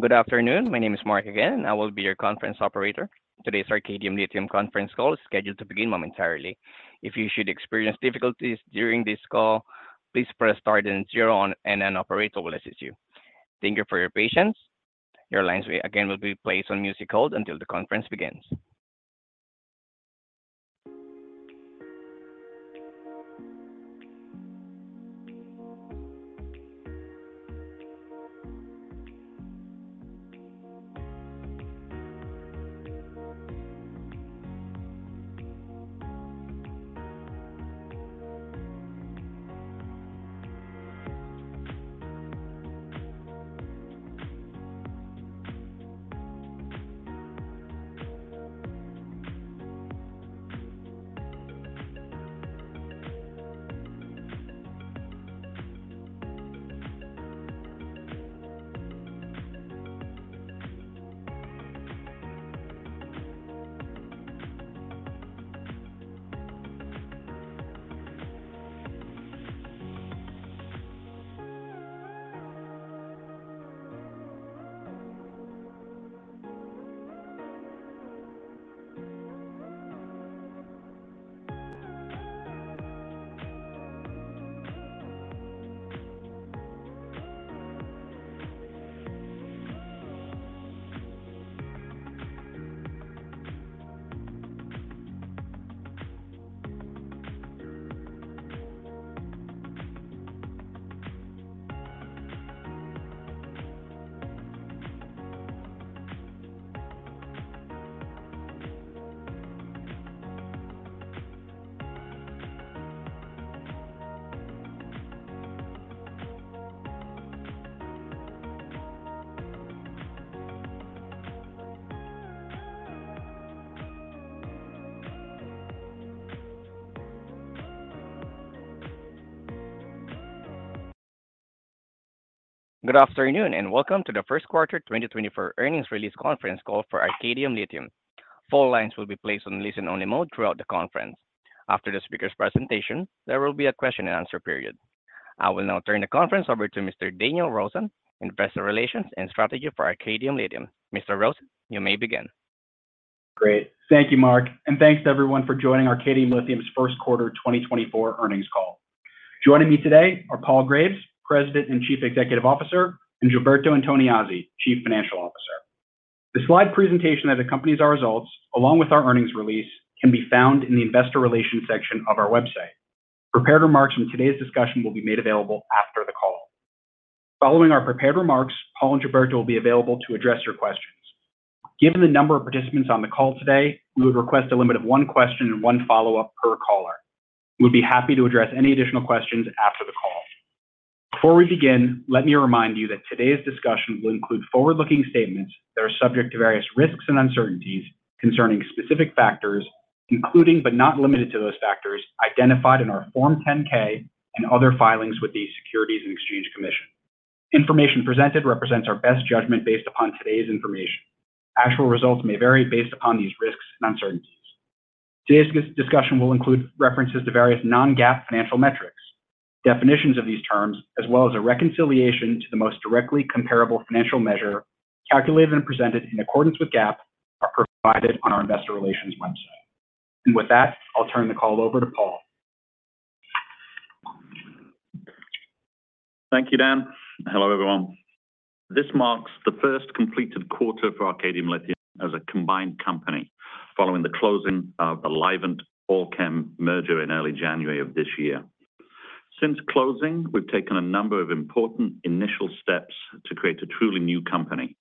Good afternoon, my name is Mark again, and I will be your conference operator. Today's Arcadium Lithium conference call is scheduled to begin momentarily. If you should experience difficulties during this call, please press star and zero on, and an operator will assist you. Thank you for your patience. Your lines will, again, be placed on music hold until the conference begins. Good afternoon and welcome to the first quarter 2024 earnings release conference call for Arcadium Lithium. All lines will be placed on listen-only mode throughout the conference. After the speaker's presentation, there will be a question-and-answer period. I will now turn the conference over to Mr. Daniel Rosen, Investor Relations and Strategy for Arcadium Lithium. Mr. Rosen, you may begin. Great. Thank you, Mark, and thanks to everyone for joining Arcadium Lithium's first quarter 2024 earnings call. Joining me today are Paul Graves, President and Chief Executive Officer, and Gilberto Antoniazzi, Chief Financial Officer. The slide presentation that accompanies our results, along with our earnings release, can be found in the Investor Relations section of our website. Prepared remarks from today's discussion will be made available after the call. Following our prepared remarks, Paul and Gilberto will be available to address your questions. Given the number of participants on the call today, we would request a limit of one question and one follow-up per caller. We'd be happy to address any additional questions after the call. Before we begin, let me remind you that today's discussion will include forward-looking statements that are subject to various risks and uncertainties concerning specific factors, including but not limited to those factors, identified in our Form 10-K and other filings with the Securities and Exchange Commission. Information presented represents our best judgment based upon today's information. Actual results may vary based upon these risks and uncertainties. Today's discussion will include references to various non-GAAP financial metrics. Definitions of these terms, as well as a reconciliation to the most directly comparable financial measure calculated and presented in accordance with GAAP, are provided on our Investor Relations website. With that, I'll turn the call over to Paul. Thank you, Dan. Hello, everyone. This marks the first completed quarter for Arcadium Lithium as a combined company following the closing of the Livent-Allkem merger in early January of this year. Since closing, we've taken a number of important initial steps to create a truly new company.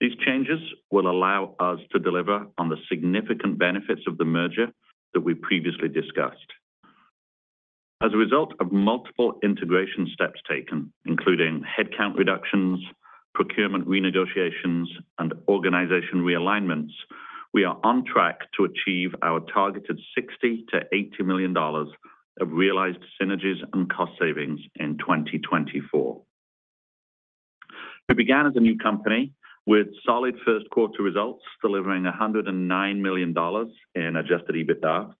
These changes will allow us to deliver on the significant benefits of the merger that we previously discussed. As a result of multiple integration steps taken, including headcount reductions, procurement renegotiations, and organization realignments, we are on track to achieve our targeted $60 million-$80 million of realized synergies and cost savings in 2024. We began as a new company with solid first quarter results delivering $109 million in adjusted EBITDA.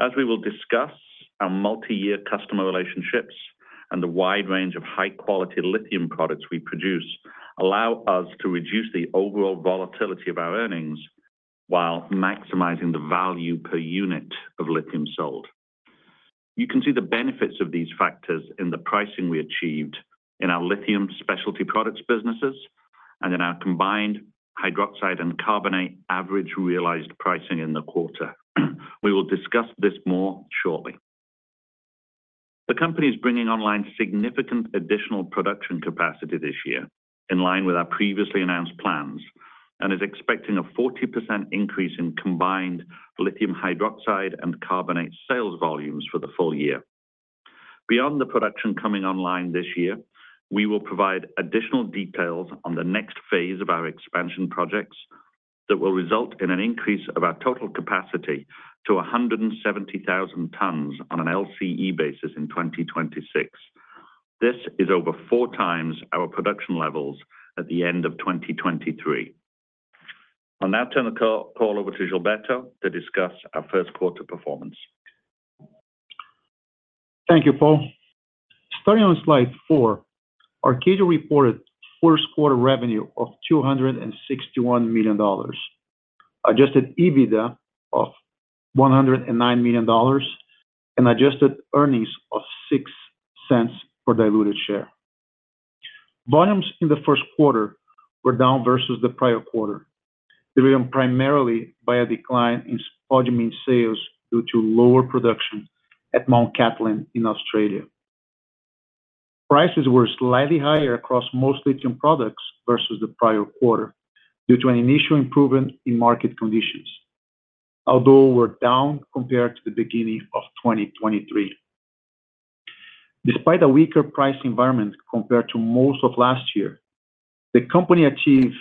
As we will discuss, our multi-year customer relationships and the wide range of high-quality lithium products we produce allow us to reduce the overall volatility of our earnings while maximizing the value per unit of lithium sold. You can see the benefits of these factors in the pricing we achieved in our lithium specialty products businesses and in our combined hydroxide and carbonate average realized pricing in the quarter. We will discuss this more shortly. The company is bringing online significant additional production capacity this year in line with our previously announced plans and is expecting a 40% increase in combined lithium hydroxide and carbonate sales volumes for the full year. Beyond the production coming online this year, we will provide additional details on the next phase of our expansion projects that will result in an increase of our total capacity to 170,000 tons on an LCE basis in 2026. This is over 4x our production levels at the end of 2023. I'll now turn the call over to Gilberto to discuss our first quarter performance. Thank you, Paul. Starting on slide four, Arcadium reported first quarter revenue of $261 million, adjusted EBITDA of $109 million, and adjusted earnings of $0.06 per diluted share. Volumes in the first quarter were down versus the prior quarter, driven primarily by a decline in spodumene sales due to lower production at Mount Cattlin in Australia. Prices were slightly higher across most lithium products versus the prior quarter due to an initial improvement in market conditions, although were down compared to the beginning of 2023. Despite a weaker price environment compared to most of last year, the company achieved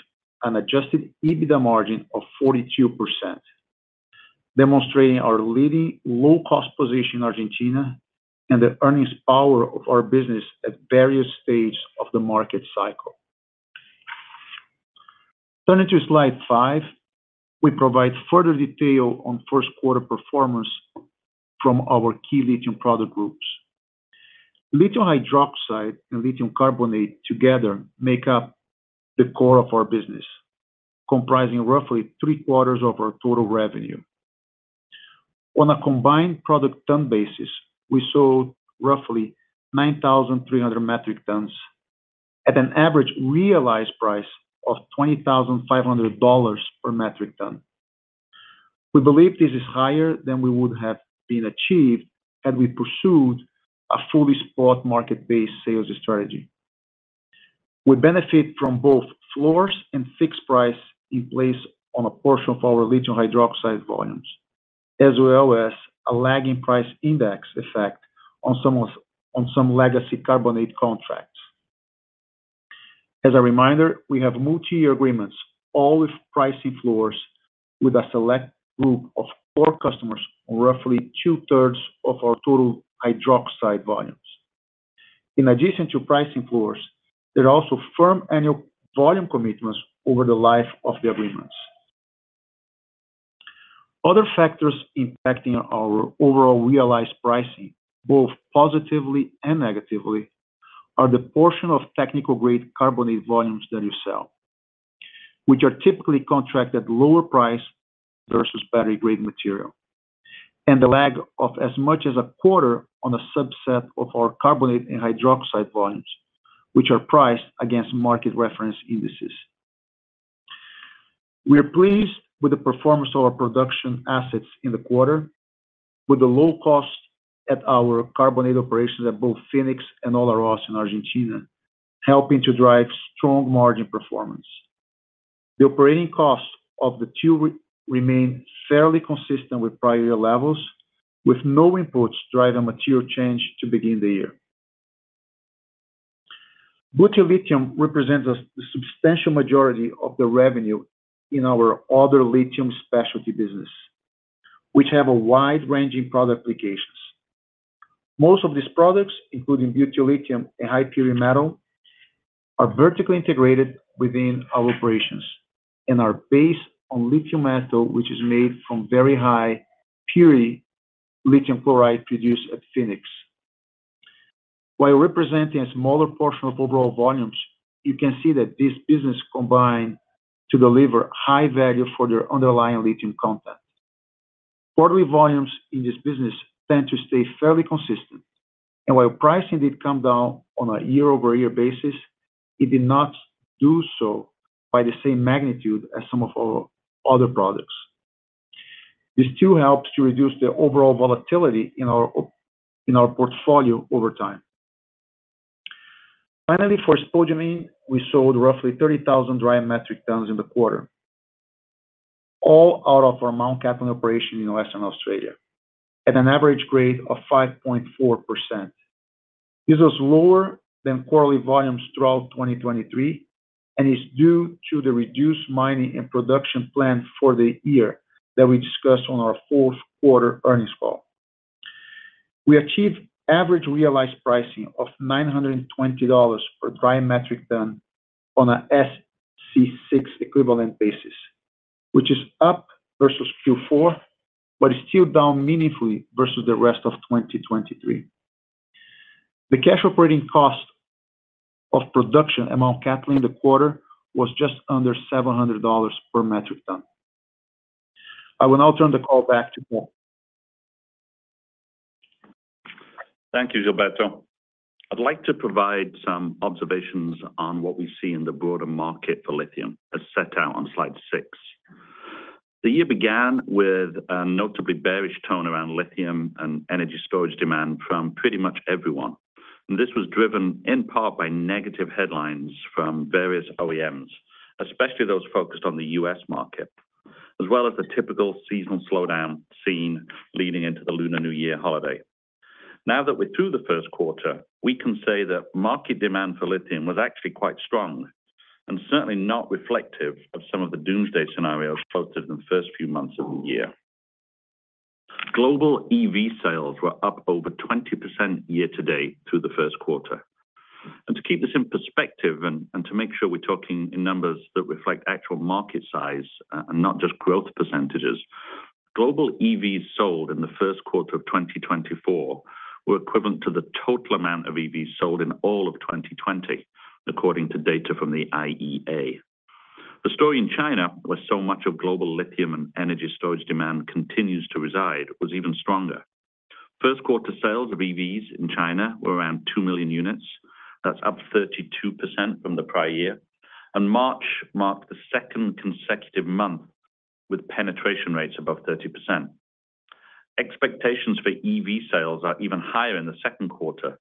an adjusted EBITDA margin of 42%, demonstrating our leading low-cost position in Argentina and the earnings power of our business at various stages of the market cycle. Turning to slide five, we provide further detail on first quarter performance from our key lithium product groups. Lithium hydroxide and lithium carbonate together make up the core of our business, comprising roughly 3/4 of our total revenue. On a combined product ton basis, we sold roughly 9,300 metric tons at an average realized price of $20,500 per metric ton. We believe this is higher than we would have been achieved had we pursued a fully spot market-based sales strategy. We benefit from both floors and fixed price in place on a portion of our lithium hydroxide volumes, as well as a lagging price index effect on some legacy carbonate contracts. As a reminder, we have multi-year agreements, all with pricing floors, with a select group of core customers on roughly two-thirds of our total hydroxide volumes. In addition to pricing floors, there are also firm annual volume commitments over the life of the agreements. Other factors impacting our overall realized pricing, both positively and negatively, are the portion of technical-grade carbonate volumes that you sell, which are typically contracted lower price versus battery-grade material, and the lag of as much as a quarter on a subset of our carbonate and hydroxide volumes, which are priced against market reference indices. We are pleased with the performance of our production assets in the quarter, with the low cost at our carbonate operations at both Fénix and Olaroz in Argentina helping to drive strong margin performance. The operating costs of the two remain fairly consistent with prior year levels, with no inputs driving material change to begin the year. Butyllithium represents the substantial majority of the revenue in our other lithium specialty businesses, which have a wide range in product applications. Most of these products, including butyllithium and high purity metal, are vertically integrated within our operations and are based on lithium metal, which is made from very high purity lithium chloride produced at Fénix. While representing a smaller portion of overall volumes, you can see that this business combines to deliver high value for their underlying lithium content. Quarterly volumes in this business tend to stay fairly consistent, and while pricing did come down on a year-over-year basis, it did not do so by the same magnitude as some of our other products. This still helps to reduce the overall volatility in our portfolio over time. Finally, for spodumene, we sold roughly 30,000 dry metric tons in the quarter, all out of our Mount Cattlin operation in Western Australia, at an average rate of 5.4%. This was lower than quarterly volumes throughout 2023 and is due to the reduced mining and production plan for the year that we discussed on our fourth quarter earnings call. We achieved average realized pricing of $920 per dry metric ton on a SC6 equivalent basis, which is up versus Q4 but is still down meaningfully versus the rest of 2023. The cash operating cost of production at Mount Cattlin in the quarter was just under $700 per metric ton. I will now turn the call back to Paul. Thank you, Gilberto. I'd like to provide some observations on what we see in the broader market for lithium as set out on slide six. The year began with a notably bearish tone around lithium and energy storage demand from pretty much everyone and this was driven in part by negative headlines from various OEMs, especially those focused on the U.S. market, as well as the typical seasonal slowdown seen leading into the Lunar New Year holiday. Now that we're through the first quarter, we can say that market demand for lithium was actually quite strong and certainly not reflective of some of the doomsday scenarios posted in the first few months of the year. Global EV sales were up over 20% year to date through the first quarter. To keep this in perspective and to make sure we're talking in numbers that reflect actual market size and not just growth percentages, global EVs sold in the first quarter of 2024 were equivalent to the total amount of EVs sold in all of 2020, according to data from the IEA. The story in China, where so much of global lithium and energy storage demand continues to reside, was even stronger. First quarter sales of EVs in China were around 2 million units. That's up 32% from the prior year and March marked the second consecutive month with penetration rates above 30%. Expectations for EV sales are even higher in the second quarter,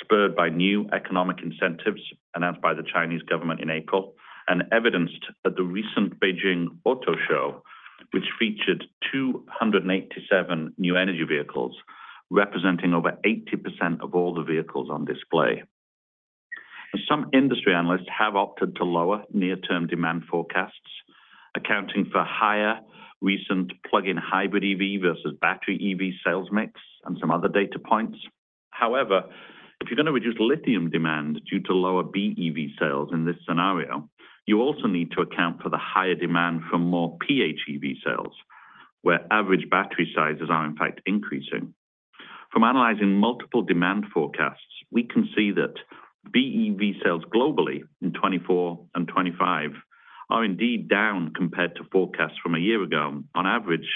spurred by new economic incentives announced by the Chinese government in April and evidenced at the recent Beijing Auto Show, which featured 287 new energy vehicles, representing over 80% of all the vehicles on display. Some industry analysts have opted to lower near-term demand forecasts, accounting for higher recent plug-in hybrid EV versus battery EV sales mix and some other data points. However, if you're going to reduce lithium demand due to lower BEV sales in this scenario, you also need to account for the higher demand for more PHEV sales, where average battery sizes are, in fact, increasing. From analyzing multiple demand forecasts, we can see that BEV sales globally in 2024 and 2025 are indeed down compared to forecasts from a year ago, on average,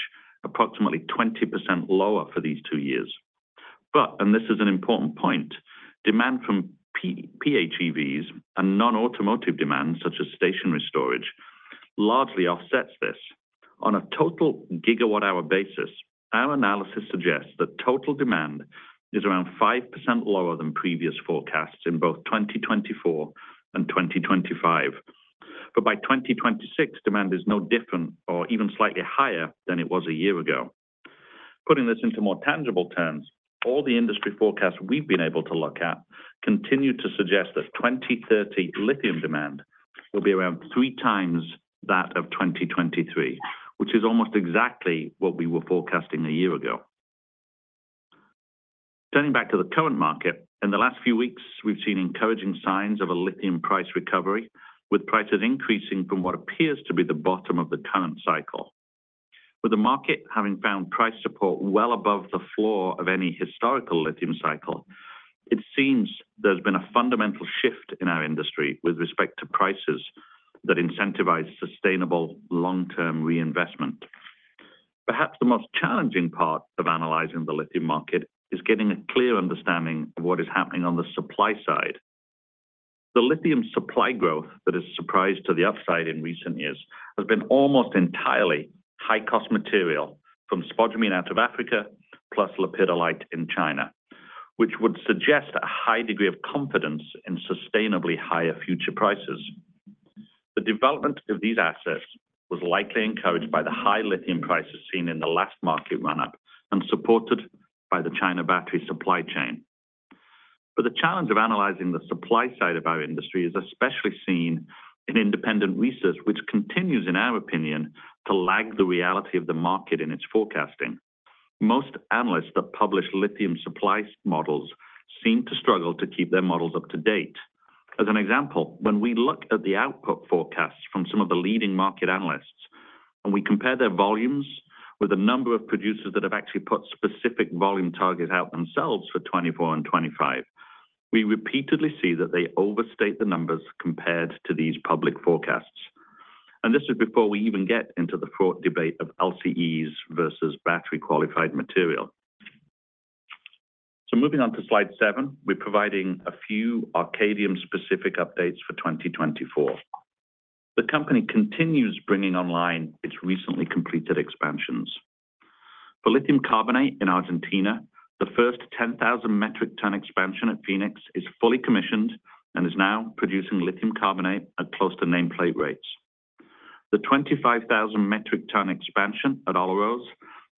approximately 20% lower for these two years. But - and this is an important point - demand from PHEVs and non-automotive demand, such as stationary storage, largely offsets this. On a total gigawatt-hour basis, our analysis suggests that total demand is around 5% lower than previous forecasts in both 2024 and 2025. By 2026, demand is no different or even slightly higher than it was a year ago. Putting this into more tangible terms, all the industry forecasts we've been able to look at continue to suggest that 2030 lithium demand will be around 3x that of 2023, which is almost exactly what we were forecasting a year ago. Turning back to the current market, in the last few weeks, we've seen encouraging signs of a lithium price recovery, with prices increasing from what appears to be the bottom of the current cycle. With the market having found price support well above the floor of any historical lithium cycle, it seems there's been a fundamental shift in our industry with respect to prices that incentivize sustainable long-term reinvestment. Perhaps the most challenging part of analyzing the lithium market is getting a clear understanding of what is happening on the supply side. The lithium supply growth that has surprised to the upside in recent years has been almost entirely high-cost material from spodumene out of Africa plus lepidolite in China, which would suggest a high degree of confidence in sustainably higher future prices. The development of these assets was likely encouraged by the high lithium prices seen in the last market run-up and supported by the China battery supply chain. But the challenge of analyzing the supply side of our industry is especially seen in independent research, which continues, in our opinion, to lag the reality of the market in its forecasting. Most analysts that publish lithium supply models seem to struggle to keep their models up to date. As an example, when we look at the output forecasts from some of the leading market analysts and we compare their volumes with the number of producers that have actually put specific volume targets out themselves for 2024 and 2025, we repeatedly see that they overstate the numbers compared to these public forecasts. And this is before we even get into the fraught debate of LCEs versus battery-qualified material. So moving on to slide seven, we're providing a few Arcadium-specific updates for 2024. The company continues bringing online its recently completed expansions. For lithium carbonate in Argentina, the first 10,000 metric ton expansion at Fénix is fully commissioned and is now producing lithium carbonate at close to nameplate rates. The 25,000 metric ton expansion at Olaroz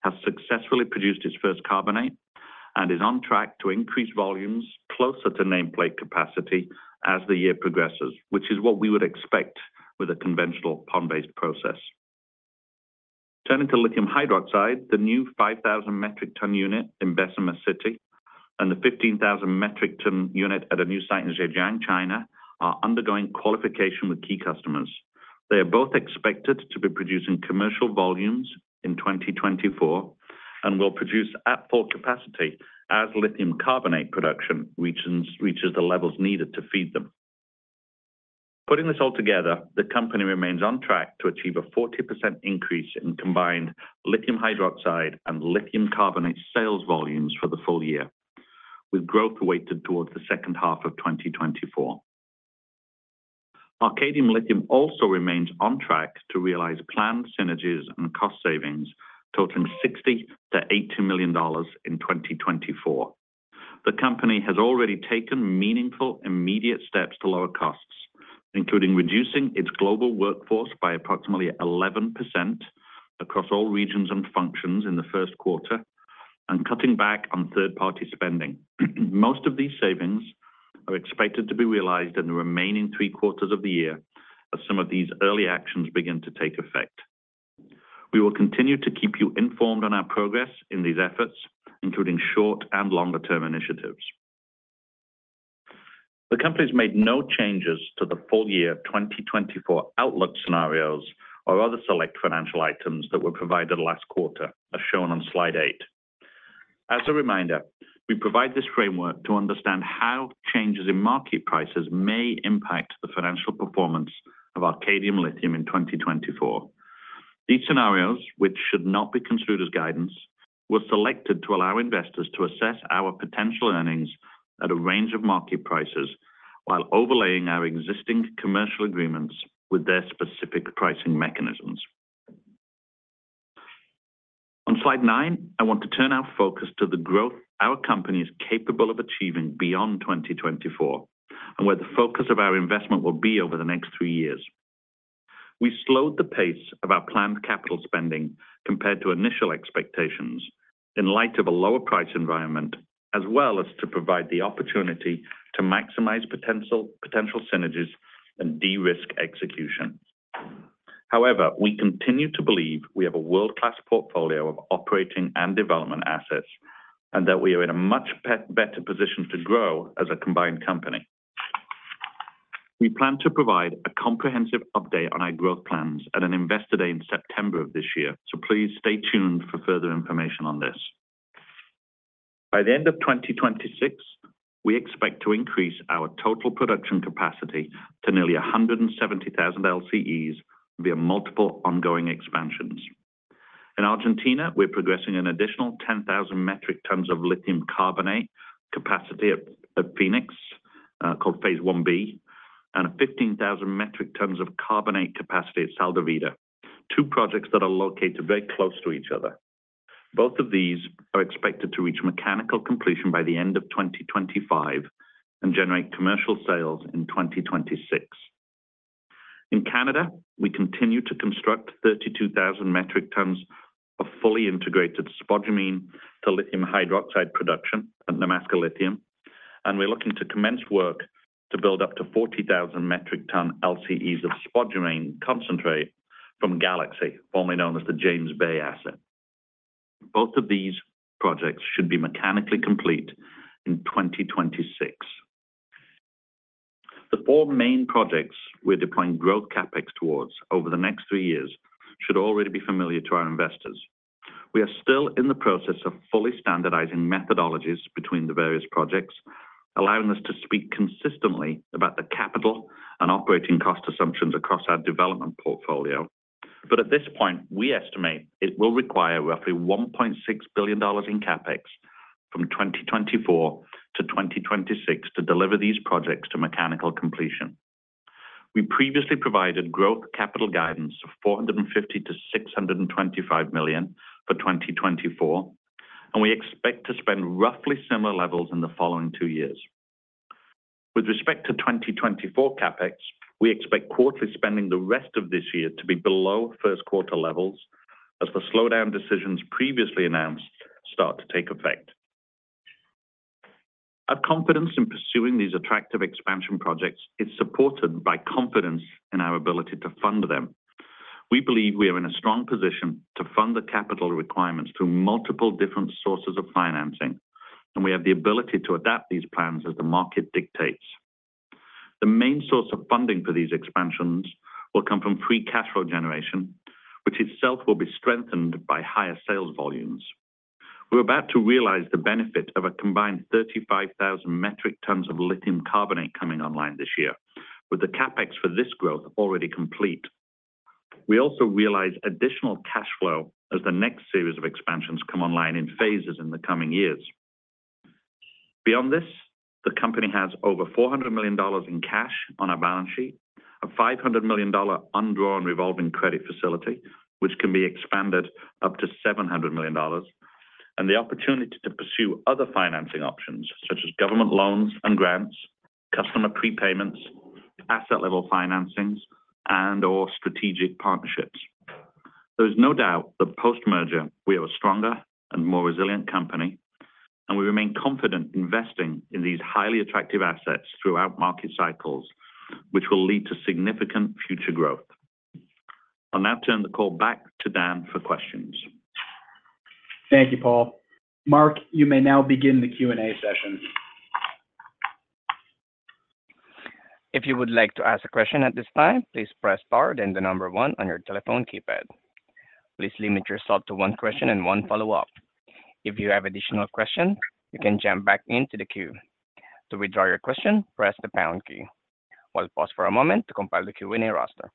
has successfully produced its first carbonate and is on track to increase volumes closer to nameplate capacity as the year progresses, which is what we would expect with a conventional pond-based process. Turning to lithium hydroxide, the new 5,000 metric ton unit in Bessemer City and the 15,000 metric ton unit at a new site in Zhejiang, China, are undergoing qualification with key customers. They are both expected to be producing commercial volumes in 2024 and will produce at full capacity as lithium carbonate production reaches the levels needed to feed them. Putting this all together, the company remains on track to achieve a 40% increase in combined lithium hydroxide and lithium carbonate sales volumes for the full year, with growth weighted towards the second half of 2024. Arcadium Lithium also remains on track to realize planned synergies and cost savings, totaling $60-$80 million in 2024. The company has already taken meaningful, immediate steps to lower costs, including reducing its global workforce by approximately 11% across all regions and functions in the first quarter and cutting back on third-party spending. Most of these savings are expected to be realized in the remaining three quarters of the year as some of these early actions begin to take effect. We will continue to keep you informed on our progress in these efforts, including short and longer-term initiatives. The company has made no changes to the full year 2024 outlook scenarios or other select financial items that were provided last quarter, as shown on slide eight. As a reminder, we provide this framework to understand how changes in market prices may impact the financial performance of Arcadium Lithium in 2024. These scenarios, which should not be considered as guidance, were selected to allow investors to assess our potential earnings at a range of market prices while overlaying our existing commercial agreements with their specific pricing mechanisms. On slide nine, I want to turn our focus to the growth our company is capable of achieving beyond 2024 and where the focus of our investment will be over the next three years. We slowed the pace of our planned capital spending compared to initial expectations in light of a lower price environment, as well as to provide the opportunity to maximize potential synergies and de-risk execution. However, we continue to believe we have a world-class portfolio of operating and development assets and that we are in a much better position to grow as a combined company. We plan to provide a comprehensive update on our growth plans at an investor day in September of this year, so please stay tuned for further information on this. By the end of 2026, we expect to increase our total production capacity to nearly 170,000 LCEs via multiple ongoing expansions. In Argentina, we're progressing an additional 10,000 metric tons of lithium carbonate capacity at Fénix, called Phase One B, and 15,000 metric tons of carbonate capacity at Sal de Vida, two projects that are located very close to each other. Both of these are expected to reach mechanical completion by the end of 2025 and generate commercial sales in 2026. In Canada, we continue to construct 32,000 metric tons of fully integrated spodumene to lithium hydroxide production at Nemaska Lithium, and we're looking to commence work to build up to 40,000 metric ton LCEs of spodumene concentrate from Galaxy, formerly known as the James Bay asset. Both of these projects should be mechanically complete in 2026. The four main projects we're deploying growth CapEx towards over the next three years should already be familiar to our investors. We are still in the process of fully standardizing methodologies between the various projects, allowing us to speak consistently about the capital and operating cost assumptions across our development portfolio. But at this point, we estimate it will require roughly $1.6 billion in CapEx from 2024 to 2026 to deliver these projects to mechanical completion. We previously provided growth capital guidance of $450 million-$625 million for 2024, and we expect to spend roughly similar levels in the following two years. With respect to 2024 CapEx, we expect quarterly spending the rest of this year to be below first quarter levels as the slowdown decisions previously announced start to take effect. Our confidence in pursuing these attractive expansion projects is supported by confidence in our ability to fund them. We believe we are in a strong position to fund the capital requirements through multiple different sources of financing, and we have the ability to adapt these plans as the market dictates. The main source of funding for these expansions will come from free cash flow generation, which itself will be strengthened by higher sales volumes. We're about to realize the benefit of a combined 35,000 metric tons of lithium carbonate coming online this year, with the CapEx for this growth already complete. We also realize additional cash flow as the next series of expansions come online in phases in the coming years. Beyond this, the company has over $400 million in cash on our balance sheet, a $500 million undrawn revolving credit facility, which can be expanded up to $700 million, and the opportunity to pursue other financing options such as government loans and grants, customer prepayments, asset-level financings, and/or strategic partnerships. There is no doubt that post-merger, we are a stronger and more resilient company, and we remain confident investing in these highly attractive assets throughout market cycles, which will lead to significant future growth. I'll now turn the call back to Dan for questions. Thank you, Paul. Mark, you may now begin the Q&A session. If you would like to ask a question at this time, please press star and the number one on your telephone keypad. Please limit yourself to one question and one follow-up. If you have additional questions, you can jump back into the queue. To withdraw your question, press the pound key. I'll pause for a moment to compile the Q&A roster.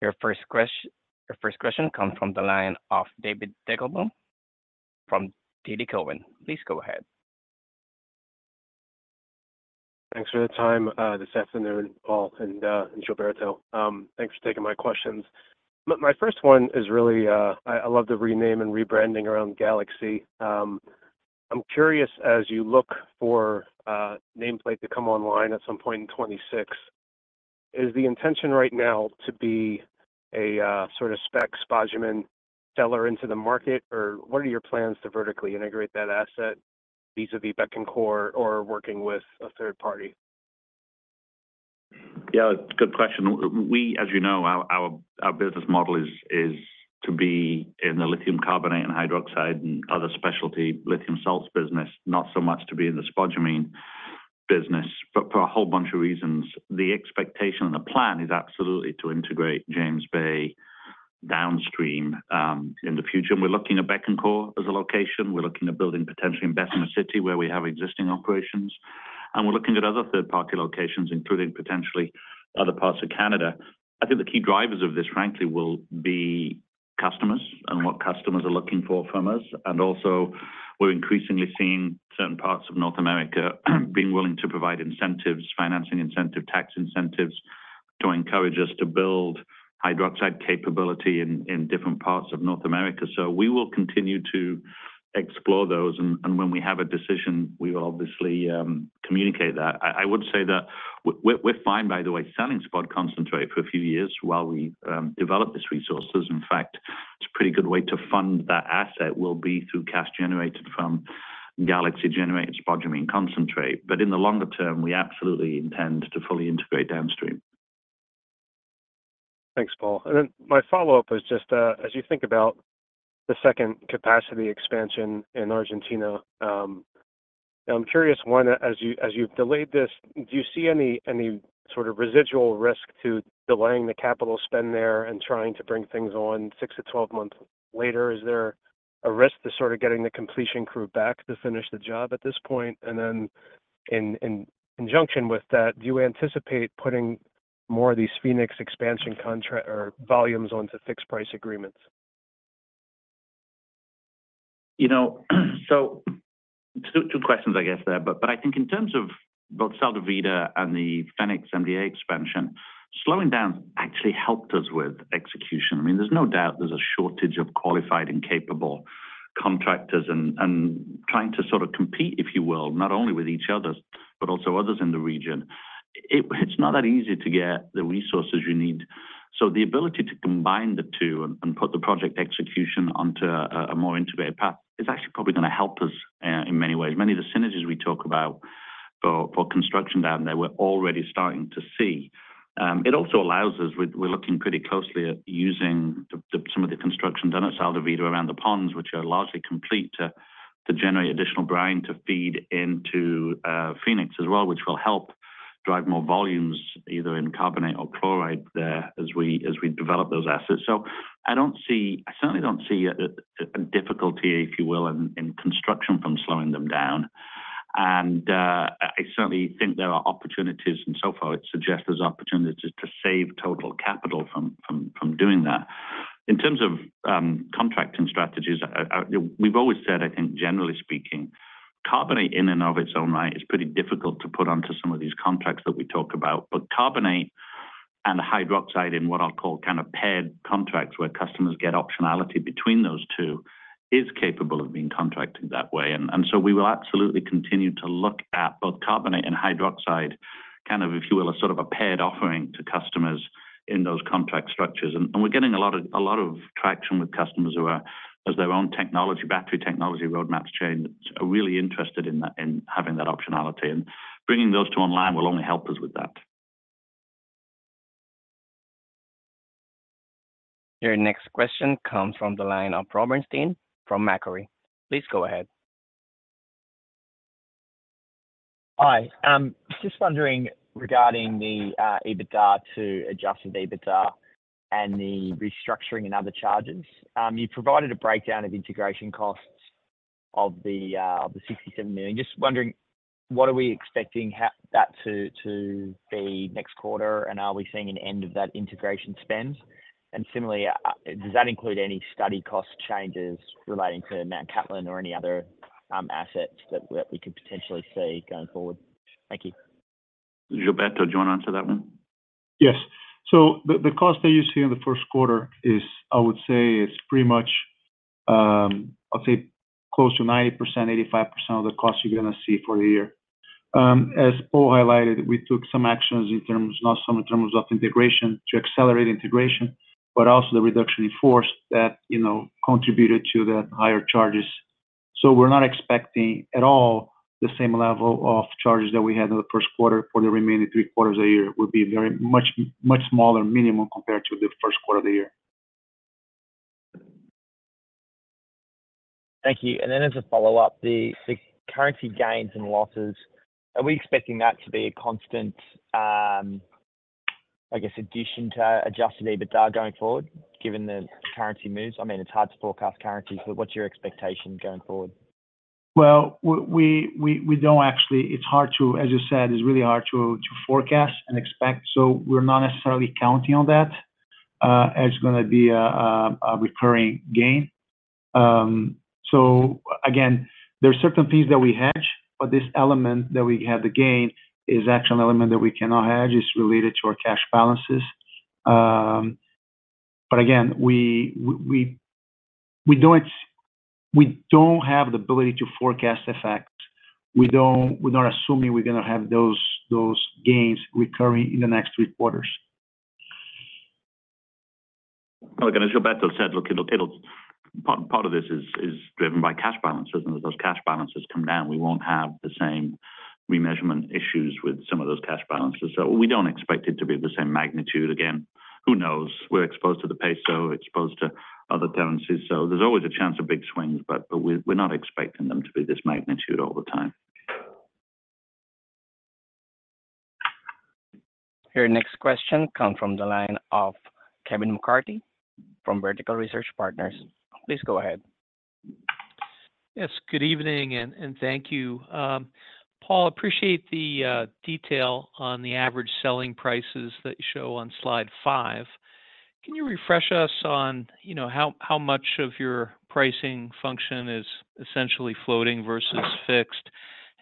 Your first question comes from the line of David Deckelbaum from TD Cowen. Please go ahead. Thanks for your time this afternoon, Paul and Gilberto. Thanks for taking my questions. My first one is really, I love the rename and rebranding around Galaxy. I'm curious, as you look for a nameplate to come online at some point in 2026, is the intention right now to be a sort of spec spodumene seller into the market, or what are your plans to vertically integrate that asset vis-a-vis Bécancour or working with a third party? Yeah, good question. We, as you know, our business model is to be in the lithium carbonate and hydroxide and other specialty lithium salts business, not so much to be in the spodumene business. But for a whole bunch of reasons, the expectation and the plan is absolutely to integrate James Bay downstream in the future. And we're looking at Bécancour as a location. We're looking at building potentially in Bessemer City where we have existing operations. And we're looking at other third-party locations, including potentially other parts of Canada. I think the key drivers of this, frankly, will be customers and what customers are looking for from us. Also, we're increasingly seeing certain parts of North America being willing to provide incentives, financing incentives, tax incentives to encourage us to build hydroxide capability in different parts of North America. We will continue to explore those, and when we have a decision, we will obviously communicate that. I would say that we're fine, by the way, selling spod concentrate for a few years while we develop these resources. In fact, it's a pretty good way to fund that asset will be through cash generated from Galaxy-generated spodumene concentrate. But in the longer term, we absolutely intend to fully integrate downstream. Thanks, Paul. And then my follow-up is just, as you think about the second capacity expansion in Argentina, I'm curious, as you've delayed this, do you see any sort of residual risk to delaying the capital spend there and trying to bring things on 6-12 months later? Is there a risk to sort of getting the completion crew back to finish the job at this point? And then in conjunction with that, do you anticipate putting more of these Fénix expansion contract or volumes onto fixed-price agreements? So two questions, I guess, there. But I think in terms of both Sal de Vida and the Fénix MDA expansion, slowing down actually helped us with execution. I mean, there's no doubt there's a shortage of qualified and capable contractors and trying to sort of compete, if you will, not only with each other's but also others in the region. It's not that easy to get the resources you need. So the ability to combine the two and put the project execution onto a more integrated path is actually probably going to help us in many ways. Many of the synergies we talk about for construction down there, we're already starting to see. It also allows us. We're looking pretty closely at using some of the construction done at Sal de Vida around the ponds, which are largely complete, to generate additional brine to feed into Fénix as well, which will help drive more volumes either in carbonate or chloride there as we develop those assets. So I certainly don't see a difficulty, if you will, in construction from slowing them down. And I certainly think there are opportunities. And so far, it suggests there's opportunities to save total capital from doing that. In terms of contracting strategies, we've always said, I think, generally speaking, carbonate in and of its own right is pretty difficult to put onto some of these contracts that we talk about. But carbonate and hydroxide in what I'll call kind of paired contracts where customers get optionality between those two is capable of being contracted that way. And so we will absolutely continue to look at both carbonate and hydroxide kind of, if you will, a sort of a paired offering to customers in those contract structures. And we're getting a lot of traction with customers who, as their own technology battery technology roadmaps change, are really interested in having that optionality. And bringing those two online will only help us with that. Your next question comes from the line of Robert Stein from Macquarie. Please go ahead. Hi. Just wondering regarding the EBITDA to adjusted EBITDA and the restructuring and other charges. You provided a breakdown of integration costs of the $67 million. Just wondering, what are we expecting that to be next quarter, and are we seeing an end of that integration spend? And similarly, does that include any study cost changes relating to Mount Cattlin or any other assets that we could potentially see going forward? Thank you. Gilberto, do you want to answer that one? Yes. So the cost that you see in the first quarter is, I would say, it's pretty much I'd say close to 90%, 85% of the cost you're going to see for the year. As Paul highlighted, we took some actions in terms not some in terms of integration to accelerate integration, but also the reduction in force that contributed to the higher charges. So we're not expecting at all the same level of charges that we had in the first quarter for the remaining three quarters of the year. It would be a very much smaller minimum compared to the first quarter of the year. Thank you. And then as a follow-up, the currency gains and losses, are we expecting that to be a constant, I guess, addition to Adjusted EBITDA going forward given the currency moves? I mean, it's hard to forecast currencies, but what's your expectation going forward? Well, we don't actually it's hard to as you said, it's really hard to forecast and expect. So we're not necessarily counting on that as going to be a recurring gain. So again, there are certain things that we hedge, but this element that we have the gain is actually an element that we cannot hedge. It's related to our cash balances. But again, we don't have the ability to forecast effects. We're not assuming we're going to have those gains recurring in the next three quarters. Oh, again, as Gilberto said, look, part of this is driven by cash balances, and as those cash balances come down, we won't have the same remeasurement issues with some of those cash balances. So we don't expect it to be of the same magnitude. Again, who knows? We're exposed to the peso, exposed to other currencies. So there's always a chance of big swings, but we're not expecting them to be this magnitude all the time. Your next question comes from the line of Kevin McCarthy from Vertical Research Partners. Please go ahead. Yes. Good evening, and thank you. Paul, appreciate the detail on the average selling prices that you show on slide five. Can you refresh us on how much of your pricing function is essentially floating versus fixed?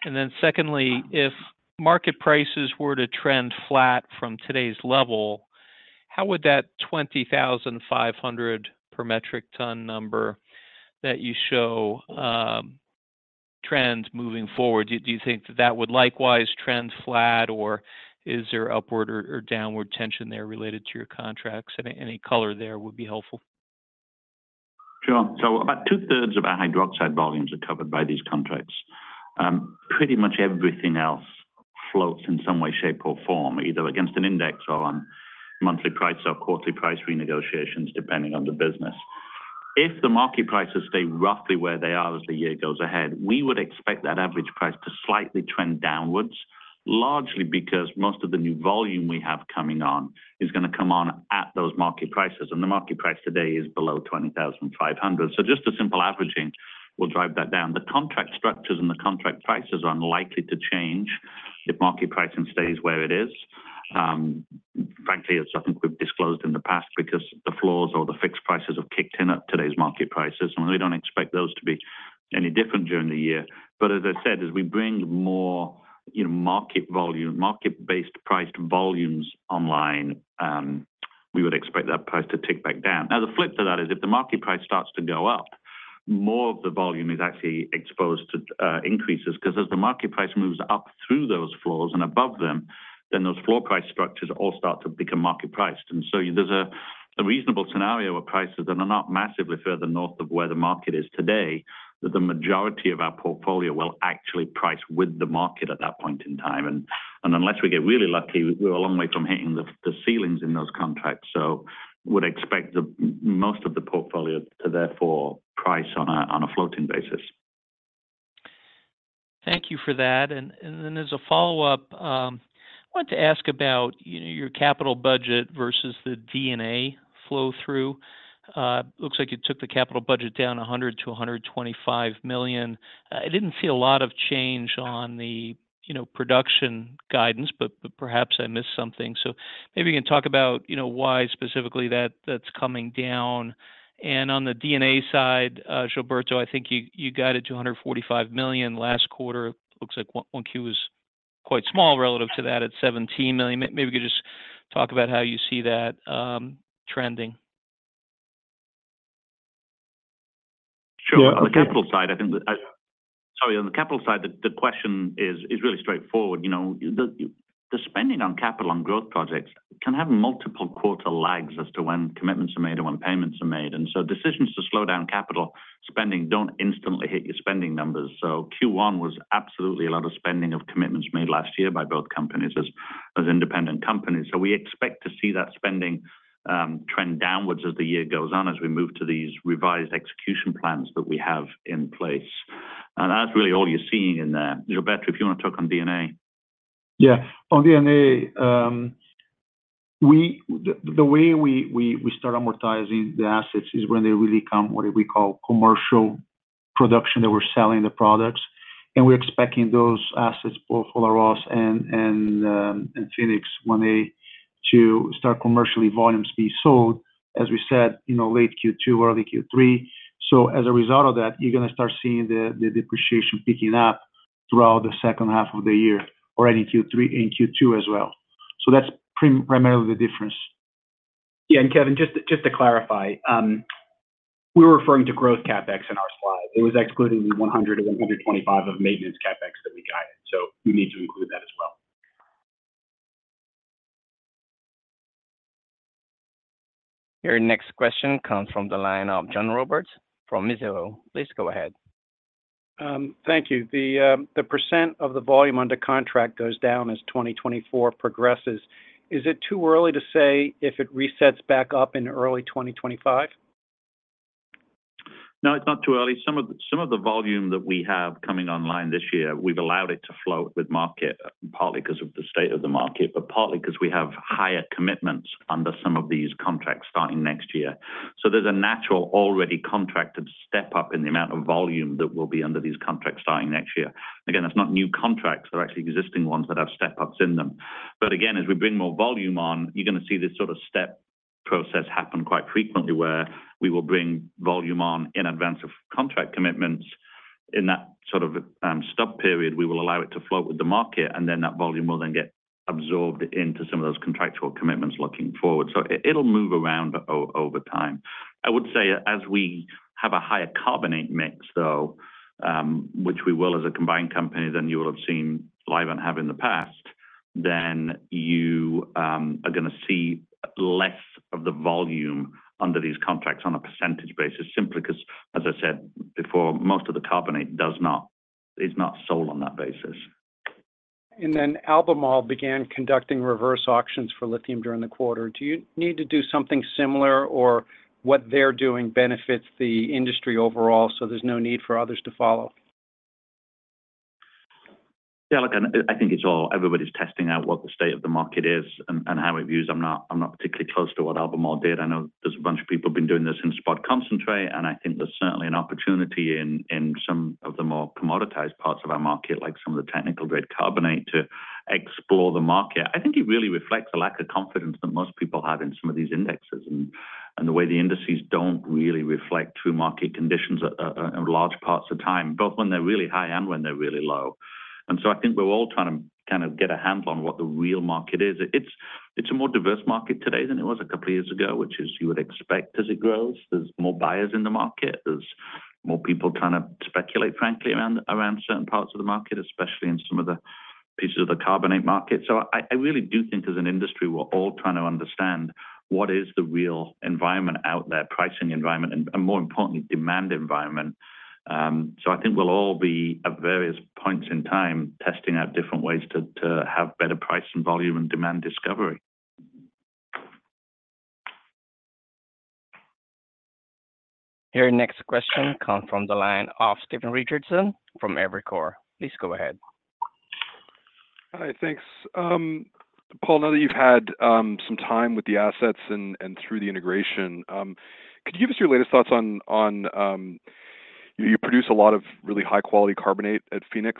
And then secondly, if market prices were to trend flat from today's level, how would that $20,500 per metric ton number that you show trend moving forward? Do you think that that would likewise trend flat, or is there upward or downward tension there related to your contracts? Any color there would be helpful. Sure. About 2/3 of our hydroxide volumes are covered by these contracts. Pretty much everything else floats in some way, shape, or form, either against an index or on monthly price or quarterly price renegotiations depending on the business. If the market prices stay roughly where they are as the year goes ahead, we would expect that average price to slightly trend downwards, largely because most of the new volume we have coming on is going to come on at those market prices. The market price today is below $20,500. Just a simple averaging will drive that down. The contract structures and the contract prices are unlikely to change if market pricing stays where it is. Frankly, as I think we've disclosed in the past, because the floors or the fixed prices have kicked in at today's market prices. We don't expect those to be any different during the year. As I said, as we bring more market-based priced volumes online, we would expect that price to tick back down. Now, the flip to that is if the market price starts to go up, more of the volume is actually exposed to increases because as the market price moves up through those floors and above them, then those floor price structures all start to become market priced. And so there's a reasonable scenario where prices that are not massively further north of where the market is today, that the majority of our portfolio will actually price with the market at that point in time. And unless we get really lucky, we're a long way from hitting the ceilings in those contracts. So I would expect most of the portfolio to therefore price on a floating basis. Thank you for that. And then as a follow-up, I wanted to ask about your capital budget versus the D&A flow-through. It looks like you took the capital budget down $100 million-$125 million. I didn't see a lot of change on the production guidance, but perhaps I missed something. So maybe you can talk about why specifically that's coming down. On the D&A side, Gilberto, I think you got it to $145 million last quarter. It looks like Q1 was quite small relative to that at $17 million. Maybe you could just talk about how you see that trending. Sure. On the capital side, I think, sorry, on the capital side, the question is really straightforward. The spending on capital on growth projects can have multiple quarter lags as to when commitments are made and when payments are made. So decisions to slow down capital spending don't instantly hit your spending numbers. Q1 was absolutely a lot of spending of commitments made last year by both companies as independent companies. So we expect to see that spending trend downwards as the year goes on, as we move to these revised execution plans that we have in place. And that's really all you're seeing in there. Gilberto, if you want to talk on D&A. Yeah. On D&A, the way we start amortizing the assets is when they really come what we call commercial production, that we're selling the products. And we're expecting those assets, Paul, Olaroz and Fénix, when they to start commercially volumes being sold, as we said, late Q2, early Q3. So as a result of that, you're going to start seeing the depreciation picking up throughout the second half of the year already in Q2 as well. So that's primarily the difference. Yeah. And Kevin, just to clarify, we were referring to growth CapEx in our slide. It was excluding the $100-$125 of maintenance CapEx that we guided. So we need to include that as well. Your next question comes from the line of John Roberts from Mizuho. Please go ahead. Thank you. The percent of the volume under contract goes down as 2024 progresses. Is it too early to say if it resets back up in early 2025? No, it's not too early. Some of the volume that we have coming online this year, we've allowed it to float with market, partly because of the state of the market, but partly because we have higher commitments under some of these contracts starting next year. So there's a natural already contracted step-up in the amount of volume that will be under these contracts starting next year. Again, that's not new contracts. They're actually existing ones that have step-ups in them. But again, as we bring more volume on, you're going to see this sort of step process happen quite frequently where we will bring volume on in advance of contract commitments. In that sort of stub period, we will allow it to float with the market, and then that volume will then get absorbed into some of those contractual commitments looking forward. So it'll move around over time. I would say as we have a higher carbonate mix, though, which we will as a combined company than you will have seen Livent and have in the past, then you are going to see less of the volume under these contracts on a percentage basis simply because, as I said before, most of the carbonate is not sold on that basis. And then Albemarle began conducting reverse auctions for lithium during the quarter. Do you need to do something similar, or what they're doing benefits the industry overall so there's no need for others to follow? Yeah. Look, I think it's all everybody's testing out what the state of the market is and how it views. I'm not particularly close to what Albemarle did. I know there's a bunch of people who have been doing this in spot concentrate, and I think there's certainly an opportunity in some of the more commoditized parts of our market, like some of the technical-grade carbonate, to explore the market. I think it really reflects a lack of confidence that most people have in some of these indexes and the way the indices don't really reflect true market conditions in large parts of time, both when they're really high and when they're really low. And so I think we're all trying to kind of get a handle on what the real market is. It's a more diverse market today than it was a couple of years ago, which is you would expect as it grows. There's more buyers in the market. There's more people trying to speculate, frankly, around certain parts of the market, especially in some of the pieces of the carbonate market. So I really do think as an industry, we're all trying to understand what is the real environment out there, pricing environment, and more importantly, demand environment. So I think we'll all be at various points in time testing out different ways to have better price and volume and demand discovery. Your next question comes from the line of Stephen Richardson from Evercore. Please go ahead. Hi. Thanks. Paul, now that you've had some time with the assets and through the integration, could you give us your latest thoughts on you produce a lot of really high-quality carbonate at Fénix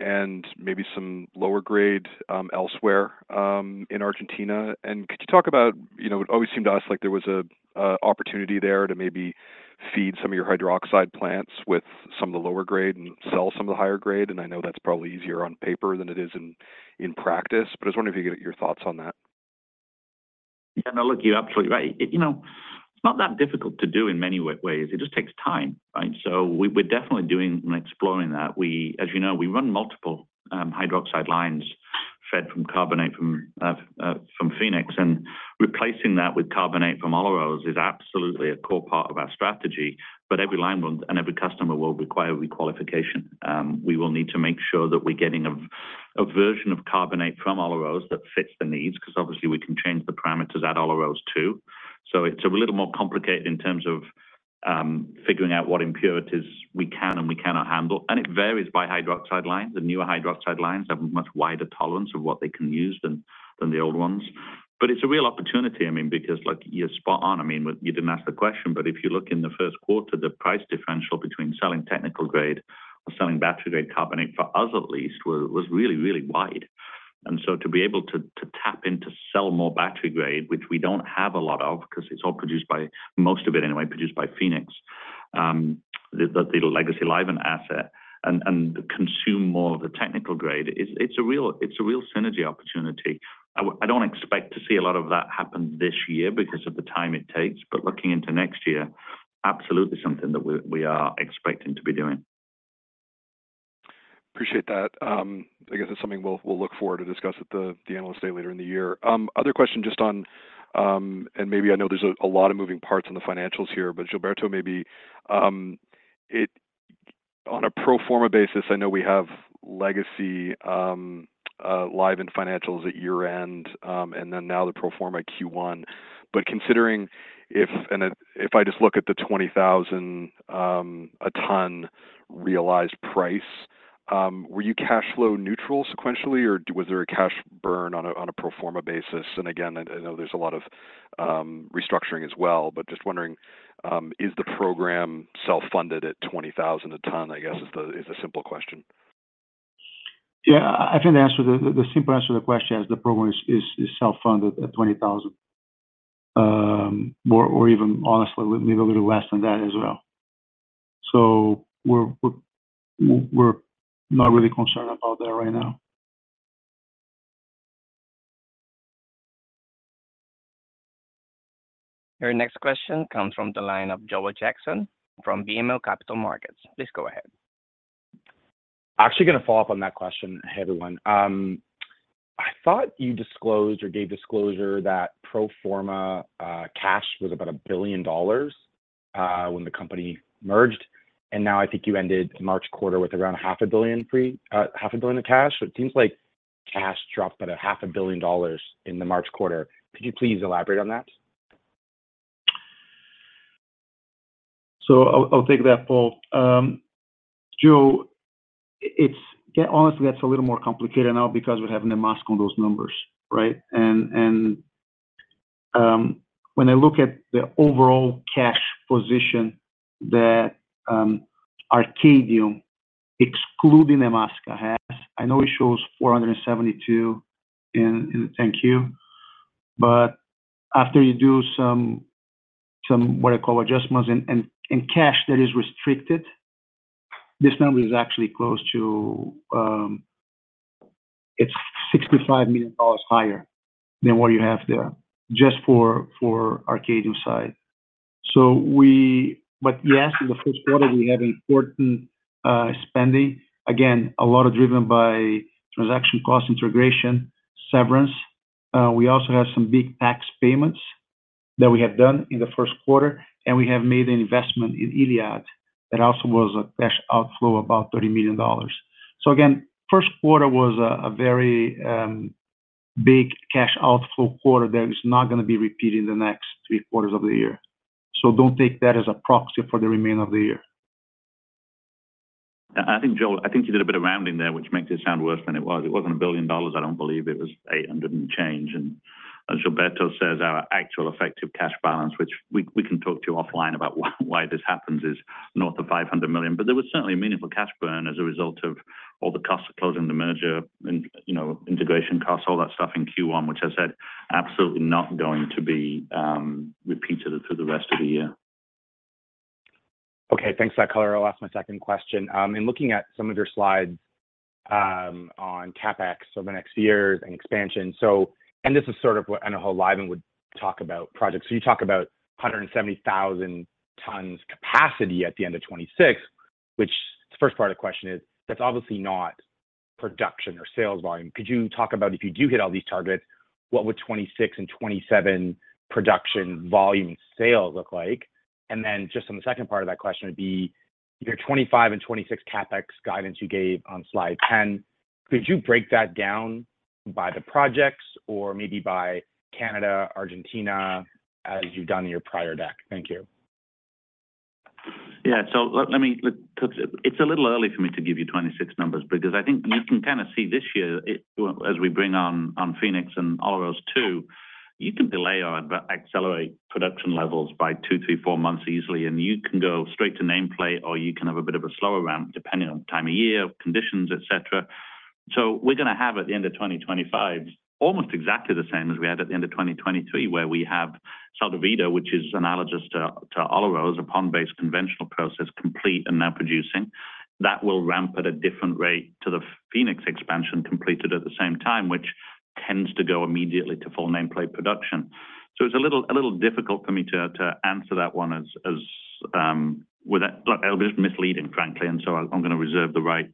and maybe some lower-grade elsewhere in Argentina? And could you talk about it always seemed to us like there was an opportunity there to maybe feed some of your hydroxide plants with some of the lower-grade and sell some of the higher-grade? And I know that's probably easier on paper than it is in practice, but I was wondering if you could get your thoughts on that. Yeah. No, look, you're absolutely right. It's not that difficult to do in many ways. It just takes time, right? So we're definitely doing and exploring that. As you know, we run multiple hydroxide lines fed from carbonate from Fénix. And replacing that with carbonate from Olaroz is absolutely a core part of our strategy. But every line and every customer will require requalification. We will need to make sure that we're getting a version of carbonate from Olaroz that fits the needs because obviously, we can change the parameters at Olaroz too. So it's a little more complicated in terms of figuring out what impurities we can and we cannot handle. And it varies by hydroxide lines. The newer hydroxide lines have a much wider tolerance of what they can use than the old ones. But it's a real opportunity, I mean, because you're spot on. I mean, you didn't ask the question, but if you look in the first quarter, the price differential between selling technical-grade or selling battery-grade carbonate, for us at least, was really, really wide. And so to be able to tap in to sell more battery grade, which we don't have a lot of because it's all produced by most of it anyway, produced by Fénix, the legacy Livent asset, and consume more of the technical grade, it's a real synergy opportunity. I don't expect to see a lot of that happen this year because of the time it takes. But looking into next year, absolutely something that we are expecting to be doing. Appreciate that. I guess it's something we'll look forward to discuss at the analyst day later in the year. Other question just on and maybe I know there's a lot of moving parts in the financials here, but Gilberto, maybe on a pro forma basis, I know we have legacy Livent financials at year-end and then now the pro forma Q1. But considering if and if I just look at the $20,000 per ton realized price, were you cash flow neutral sequentially, or was there a cash burn on a pro forma basis? And again, I know there's a lot of restructuring as well, but just wondering, is the program self-funded at $20,000 per ton? I guess is the simple question. Yeah. I think the simple answer to the question is the program is self-funded at $20,000 per ton or even, honestly, maybe a little less than that as well. So we're not really concerned about that right now. Your next question comes from the line of Joel Jackson from BMO Capital Markets. Please go ahead. Actually going to follow up on that question, hey, everyone. I thought you disclosed or gave disclosure that pro forma cash was about $1 billion when the company merged. And now I think you ended March quarter with around $500 million free, $500 million of cash. So it seems like cash dropped by $500 million in the March quarter. Could you please elaborate on that? So I'll take that, Paul. Joe, honestly, that's a little more complicated now because we're having a mask on those numbers, right? And when I look at the overall cash position that Arcadium excluding Nemaska has, I know it shows $472 million in the end-Q. But after you do some what I call adjustments and cash that is restricted, this number is actually close to- it's $65 million higher than what you have there just for Arcadium side. But yes, in the first quarter, we have important spending. Again, a lot of driven by transaction cost integration, severance. We also have some big tax payments that we have done in the first quarter. We have made an investment in ILiAD that also was a cash outflow of about $30 million. So again, first quarter was a very big cash outflow quarter that is not going to be repeated in the next three quarters of the year. So don't take that as a proxy for the remainder of the year. I think, Joel, I think you did a bit of rounding there, which makes it sound worse than it was. It wasn't $1 billion. I don't believe it was $800 million and change. And as Gilberto says, our actual effective cash balance, which we can talk to offline about why this happens, is north of $500 million. But there was certainly a meaningful cash burn as a result of all the costs of closing the merger and integration costs, all that stuff in Q1, which I said absolutely not going to be repeated through the rest of the year. Okay. Thanks for that color. I'll ask my second question. In looking at some of your slides on CapEx over the next years and expansion and this is sort of what Allkem and Livent would talk about projects. So you talk about 170,000 tons capacity at the end of 2026, which the first part of the question is, that's obviously not production or sales volume. Could you talk about if you do hit all these targets, what would 2026 and 2027 production volume and sales look like? And then just on the second part of that question would be your 2025 and 2026 CapEx guidance you gave on slide 10. Could you break that down by the projects or maybe by Canada, Argentina, as you've done in your prior deck? Thank you. Yeah. So let me look because it's a little early for me to give you 2026 numbers because I think you can kind of see this year as we bring on Fénix and Olaroz too, you can delay or accelerate production levels by two, three, four months easily. And you can go straight to nameplate or you can have a bit of a slower ramp depending on time of year, conditions, et cetera. So we're going to have at the end of 2025 almost exactly the same as we had at the end of 2023 where we have Sal de Vida, which is analogous to Olaroz, a pond-based conventional process complete and now producing. That will ramp at a different rate to the Fénix expansion completed at the same time, which tends to go immediately to full nameplate production. So it's a little difficult for me to answer that one as look, it'll be just misleading, frankly. And so I'm going to reserve the right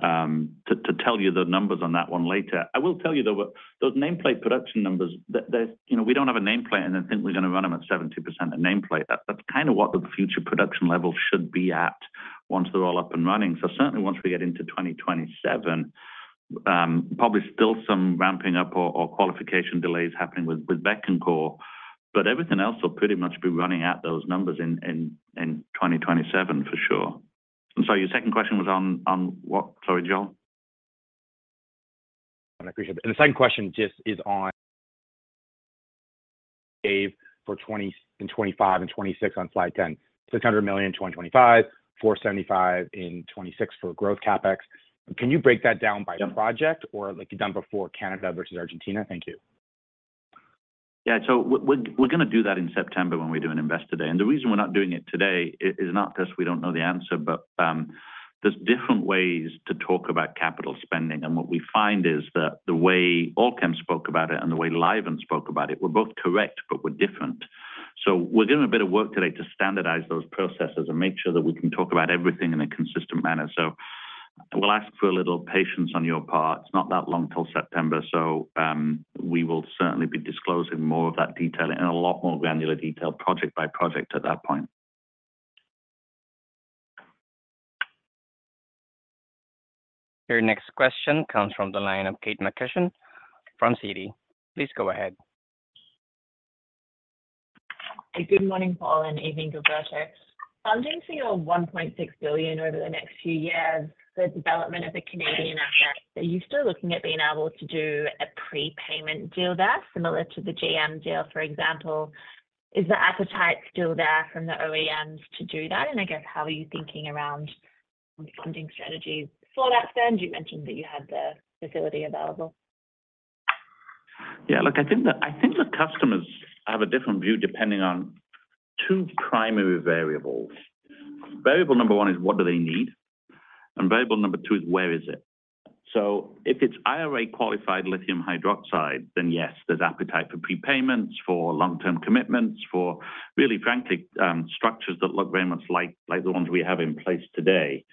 to tell you the numbers on that one later. I will tell you, though, that those nameplate production numbers, we don't have a nameplate and then think we're going to run them at 70% of nameplate. That's kind of what the future production level should be at once they're all up and running. So certainly, once we get into 2027, probably still some ramping up or qualification delays happening with Bécancour. But everything else will pretty much be running at those numbers in 2027 for sure. And sorry, your second question was on what? Sorry, Joel. I appreciate it. The second question just is on CapEx for 2024 and 2025 and 2026 on slide 10, $600 million in 2025, $475 million in 2026 for growth CapEx. Can you break that down by project or like you've done before Canada versus Argentina? Thank you. Yeah. So we're going to do that in September when we do an Investor Day. The reason we're not doing it today is not because we don't know the answer, but there's different ways to talk about capital spending. What we find is that the way Allkem spoke about it and the way Livent spoke about it were both correct but were different. So we're doing a bit of work today to standardize those processes and make sure that we can talk about everything in a consistent manner. So we'll ask for a little patience on your part. It's not that long till September. So we will certainly be disclosing more of that detail and a lot more granular detail project by project at that point. Your next question comes from the line of Kate McCutcheon from Citi. Please go ahead. Good morning, Paul, and evening, Gilberto. Funding for your $1.6 billion over the next few years, the development of the Canadian assets, are you still looking at being able to do a prepayment deal there similar to the GM deal, for example? Is the appetite still there from the OEMs to do that? And I guess how are you thinking around funding strategies for that spend? You mentioned that you had the facility available. Yeah. Look, I think the customers have a different view depending on two primary variables. Variable number one is what do they need? And variable number two is where is it? So if it's IRA qualified lithium hydroxide, then yes, there's appetite for prepayments, for long-term commitments, for really, frankly, structures that look very much like the ones we have in place today.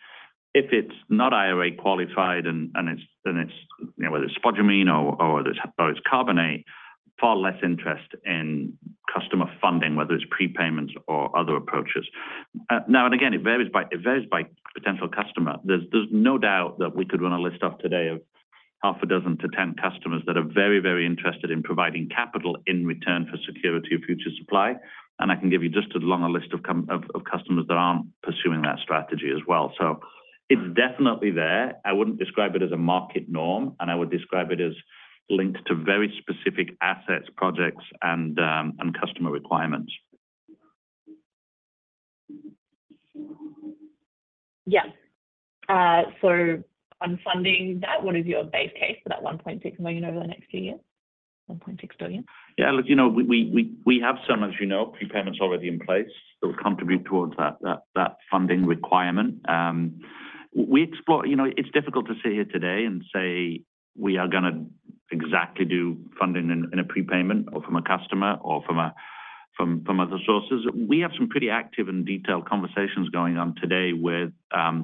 If it's not IRA qualified and it's whether it's spodumene or it's carbonate, far less interest in customer funding, whether it's prepayments or other approaches. Now, and again, it varies by potential customer. There's no doubt that we could run a list off today of 6-10 customers that are very, very interested in providing capital in return for security of future supply. And I can give you just as long a list of customers that aren't pursuing that strategy as well. So it's definitely there. I wouldn't describe it as a market norm. And I would describe it as linked to very specific assets, projects, and customer requirements. Yeah. So on funding that, what is your base case for that $1.6 million over the next few years? $1.6 billion? Yeah. Look, we have some, as you know, prepayments already in place that will contribute towards that funding requirement. It's difficult to sit here today and say we are going to exactly do funding in a prepayment or from a customer or from other sources. We have some pretty active and detailed conversations going on today with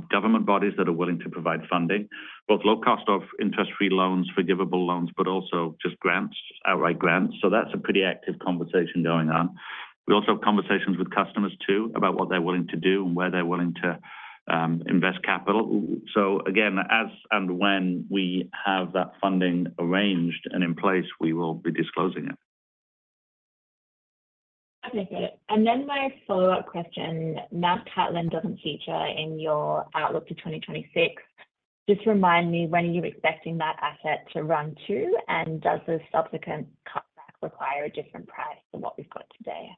government bodies that are willing to provide funding, both low-cost off-interest-free loans, forgivable loans, but also just grants, outright grants. So that's a pretty active conversation going on. We also have conversations with customers too about what they're willing to do and where they're willing to invest capital. So again, as and when we have that funding arranged and in place, we will be disclosing it. Okay. Got it. Then my follow-up question, Mount Cattlin doesn't feature in your outlook to 2026. Just remind me, when are you expecting that asset to run to? And does the subsequent cutback require a different price than what we've got today?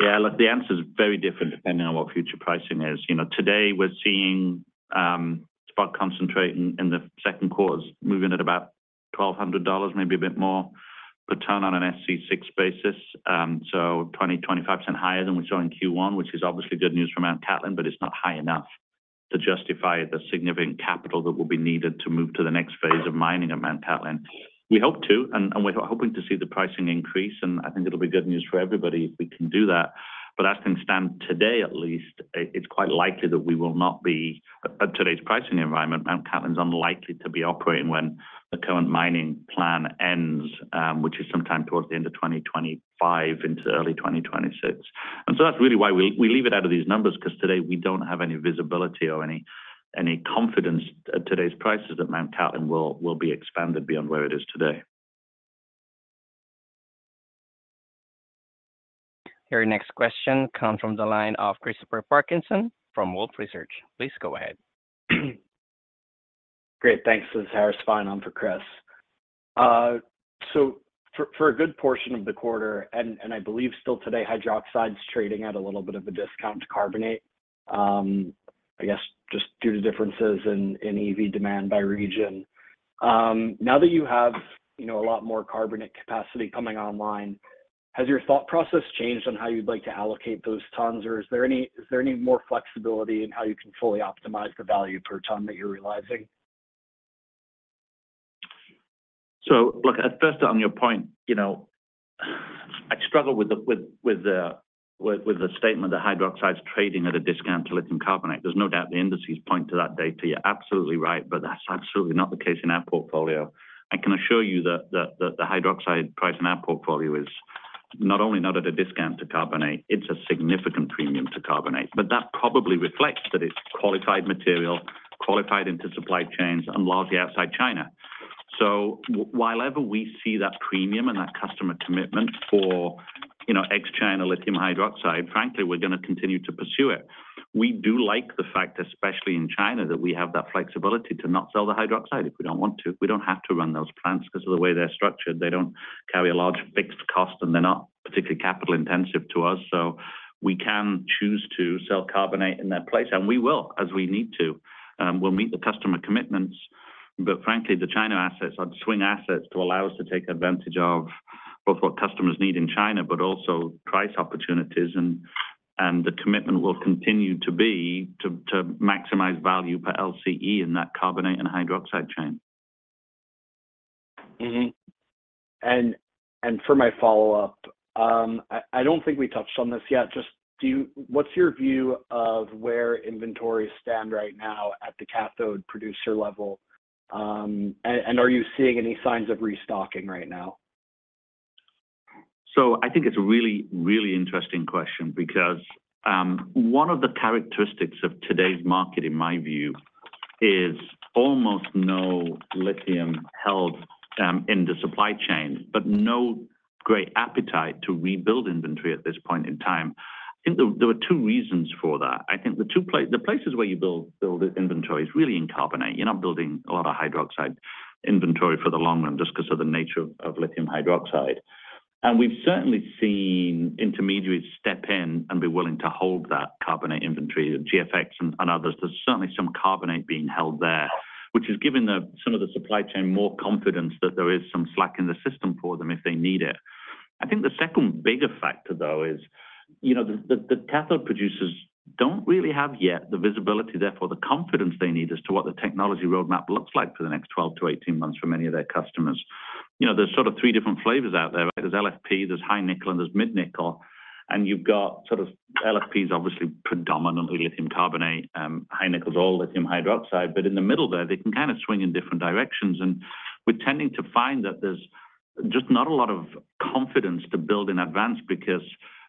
Yeah. Look, the answer is very different depending on what future pricing is. Today, we're seeing spot concentrate in the second quarters, moving at about $1,200, maybe a bit more per ton on an SC6 basis. So 20%-25% higher than we saw in Q1, which is obviously good news for Mount Cattlin, but it's not high enough to justify the significant capital that will be needed to move to the next phase of mining at Mount Cattlin. We hope to. And we're hoping to see the pricing increase. And I think it'll be good news for everybody if we can do that. But as things stand today, at least, it's quite likely that we will not be at today's pricing environment. Mount Cattlin's unlikely to be operating when the current mining plan ends, which is sometime towards the end of 2025 into early 2026. And so that's really why we leave it out of these numbers because today, we don't have any visibility or any confidence at today's prices that Mount Cattlin will be expanded beyond where it is today. Your next question comes from the line of Christopher Parkinson from Wolfe Research. Please go ahead. Great. Thanks. This is Harris Fein. I'm for Chris. So for a good portion of the quarter, and I believe still today, hydroxide's trading at a little bit of a discount to carbonate, I guess, just due to differences in EV demand by region. Now that you have a lot more carbonate capacity coming online, has your thought process changed on how you'd like to allocate those tons? Or is there any more flexibility in how you can fully optimize the value per ton that you're realizing? So look, at first, on your point, I struggle with the statement that hydroxide's trading at a discount to lithium carbonate. There's no doubt the indices point to that data. You're absolutely right. But that's absolutely not the case in our portfolio. I can assure you that the hydroxide price in our portfolio is not only not at a discount to carbonate, it's a significant premium to carbonate. But that probably reflects that it's qualified material, qualified into supply chains, and largely outside China. So while ever we see that premium and that customer commitment for ex-China lithium hydroxide, frankly, we're going to continue to pursue it. We do like the fact, especially in China, that we have that flexibility to not sell the hydroxide if we don't want to. We don't have to run those plants because of the way they're structured. They don't carry a large, fixed cost, and they're not particularly capital-intensive to us. So we can choose to sell carbonate in their place. And we will as we need to. We'll meet the customer commitments. But frankly, the China assets are swing assets to allow us to take advantage of both what customers need in China but also price opportunities. And the commitment will continue to be to maximize value per LCE in that carbonate and hydroxide chain. And for my follow-up, I don't think we touched on this yet. What's your view of where inventories stand right now at the cathode producer level? Are you seeing any signs of restocking right now? I think it's a really, really interesting question because one of the characteristics of today's market, in my view, is almost no lithium held in the supply chain, but no great appetite to rebuild inventory at this point in time. I think there were two reasons for that. I think the places where you build inventory is really in carbonate. You're not building a lot of hydroxide inventory for the long run just because of the nature of lithium hydroxide. And we've certainly seen intermediaries step in and be willing to hold that carbonate inventory. GFEX and others, there's certainly some carbonate being held there, which is giving some of the supply chain more confidence that there is some slack in the system for them if they need it. I think the second bigger factor, though, is the cathode producers don't really have yet the visibility, therefore, the confidence they need as to what the technology roadmap looks like for the next 12-18 months for many of their customers. There's sort of three different flavors out there, right? There's LFP, there's high nickel, and there's mid nickel. And you've got sort of LFP is obviously predominantly lithium carbonate. High nickel is all lithium hydroxide. But in the middle there, they can kind of swing in different directions. And we're tending to find that there's just not a lot of confidence to build in advance because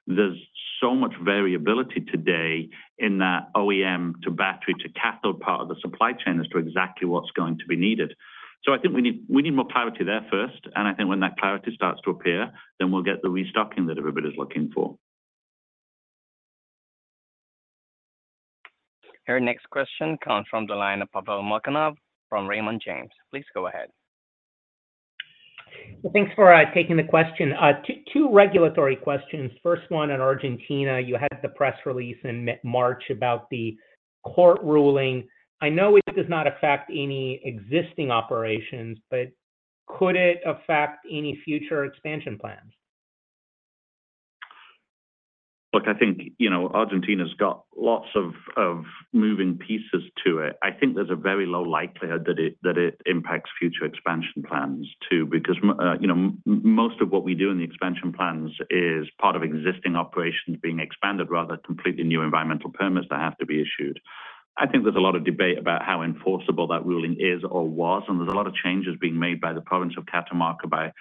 there's so much variability today in that OEM to battery to cathode part of the supply chain as to exactly what's going to be needed. So I think we need more clarity there first. And I think when that clarity starts to appear, then we'll get the restocking that everybody's looking for. Your next question comes from the line of Pavel Molchanov from Raymond James. Please go ahead. Thanks for taking the question. Two regulatory questions. First one in Argentina, you had the press release in March about the court ruling. I know it does not affect any existing operations, but could it affect any future expansion plans? Look, I think Argentina's got lots of moving pieces to it. I think there's a very low likelihood that it impacts future expansion plans too because most of what we do in the expansion plans is part of existing operations being expanded rather than completely new environmental permits that have to be issued. I think there's a lot of debate about how enforceable that ruling is or was. And there's a lot of changes being made by the province of Catamarca by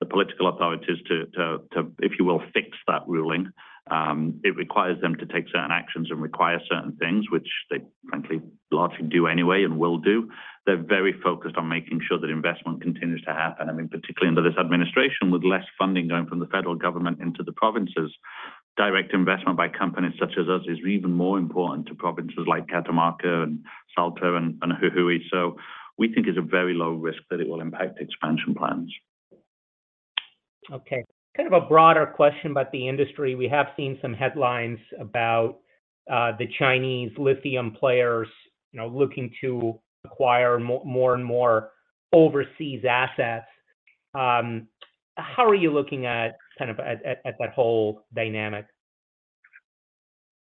the political authorities to, if you will, fix that ruling. It requires them to take certain actions and require certain things, which they, frankly, largely do anyway and will do. They're very focused on making sure that investment continues to happen. I mean, particularly under this administration, with less funding going from the federal government into the provinces, direct investment by companies such as us is even more important to provinces like Catamarca and Salta and Jujuy. So we think it's a very low risk that it will impact expansion plans. Okay. Kind of a broader question about the industry. We have seen some headlines about the Chinese lithium players looking to acquire more and more overseas assets. How are you looking at kind of that whole dynamic?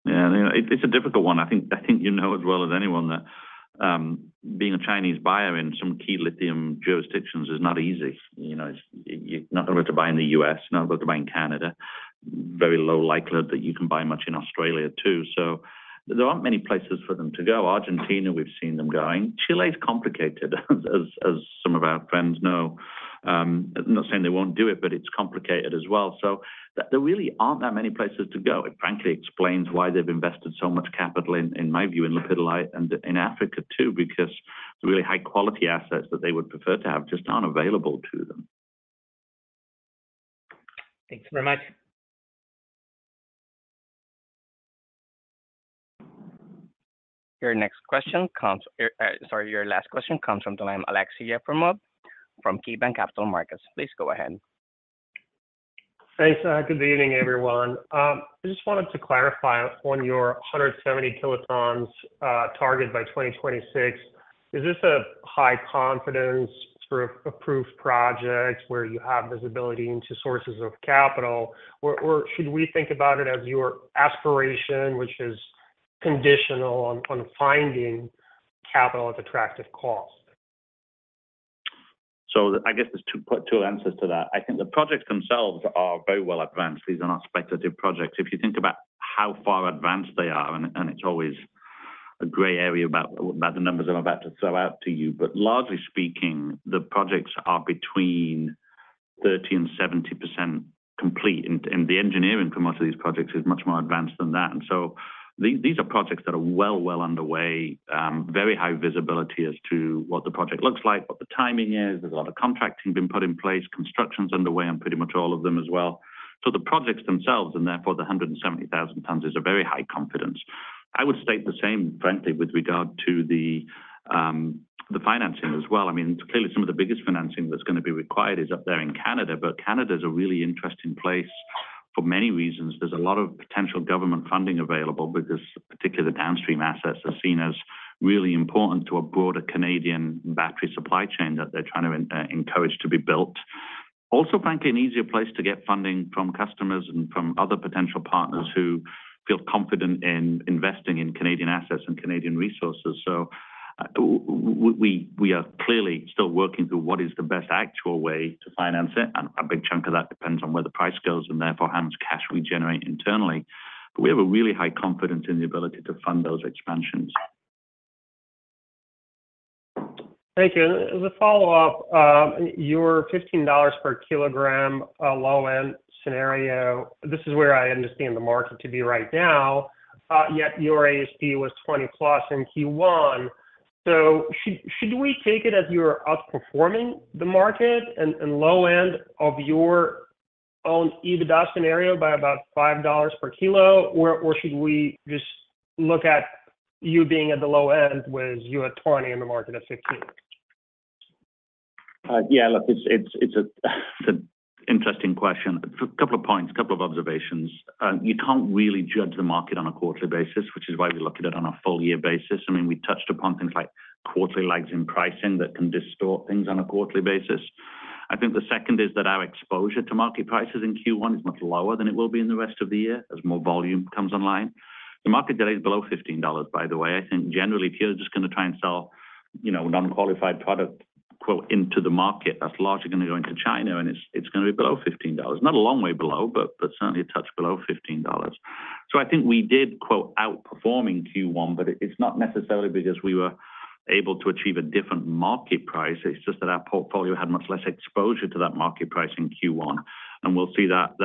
Yeah. I mean, it's a difficult one. I think you know as well as anyone that being a Chinese buyer in some key lithium jurisdictions is not easy. You're not going to be able to buy in the US. You're not going to be able to buy in Canada. Very low likelihood that you can buy much in Australia too. So there aren't many places for them to go. Argentina, we've seen them going. Chile is complicated, as some of our friends know. I'm not saying they won't do it, but it's complicated as well. So there really aren't that many places to go. It frankly explains why they've invested so much capital, in my view, in Lepidolite and in Africa too because the really high-quality assets that they would prefer to have just aren't available to them. Thanks very much. Your next question comes—sorry, your last question comes from the line of Aleksey Yefremov from KeyBanc Capital Markets. Please go ahead. Hey. So good evening, everyone. I just wanted to clarify on your 170 kt target by 2026. Is this a high confidence through approved projects where you have visibility into sources of capital? Or should we think about it as your aspiration, which is conditional on finding capital at attractive cost? So I guess there are two answers to that. I think the projects themselves are very well advanced. These are not speculative projects. If you think about how far advanced they are and it's always a gray area about the numbers I'm about to throw out to you. But largely speaking, the projects are between 30%-70% complete. And the engineering for most of these projects is much more advanced than that. These are projects that are well, well underway, very high visibility as to what the project looks like, what the timing is. There's a lot of contracting been put in place, construction's underway on pretty much all of them as well. The projects themselves and therefore the 170,000 tons is a very high confidence. I would state the same, frankly, with regard to the financing as well. I mean, clearly, some of the biggest financing that's going to be required is up there in Canada. Canada is a really interesting place for many reasons. There's a lot of potential government funding available because particularly the downstream assets are seen as really important to a broader Canadian battery supply chain that they're trying to encourage to be built. Also, frankly, an easier place to get funding from customers and from other potential partners who feel confident in investing in Canadian assets and Canadian resources. So we are clearly still working through what is the best actual way to finance it. And a big chunk of that depends on where the price goes and therefore how much cash we generate internally. But we have a really high confidence in the ability to fund those expansions. Thank you. And as a follow-up, your $15 per kg low-end scenario, this is where I understand the market to be right now. Yet your ASP was 20+ in Q1. So should we take it as you're outperforming the market and low-end of your own EBITDA scenario by about $5 per kilo? Or should we just look at you being at the low end with you at 20 and the market at 15? Yeah. Look, it's an interesting question. A couple of points, a couple of observations. You can't really judge the market on a quarterly basis, which is why we look at it on a full-year basis. I mean, we touched upon things like quarterly lags in pricing that can distort things on a quarterly basis. I think the second is that our exposure to market prices in Q1 is much lower than it will be in the rest of the year as more volume comes online. The market today is below $15, by the way. I think generally, if you're just going to try and sell non-qualified product "into the market," that's largely going to go into China. It's going to be below $15. Not a long way below, but certainly a touch below $15. So I think we did "outperforming Q1," but it's not necessarily because we were able to achieve a different market price. It's just that our portfolio had much less exposure to that market price in Q1. And we'll see that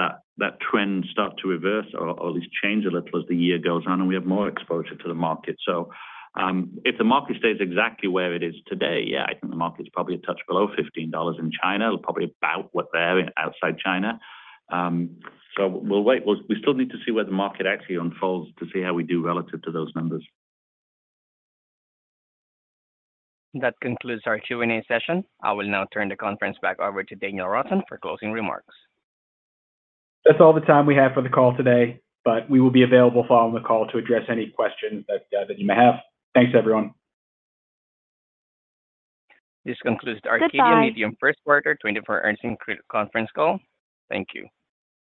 trend start to reverse or at least change a little as the year goes on and we have more exposure to the market. So if the market stays exactly where it is today, yeah, I think the market's probably a touch below $15 in China, probably about what they're at outside China. So we'll wait. We still need to see where the market actually unfolds to see how we do relative to those numbers. That concludes our Q&A session. I will now turn the conference back over to Daniel Rosen for closing remarks. That's all the time we have for the call today. We will be available following the call to address any questions that you may have. Thanks, everyone. This concludes our Arcadium Lithium first quarter 2024 earnings conference call. Thank you.